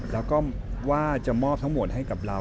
แล้วก็ว่าจะมอบทั้งหมดให้กับเรา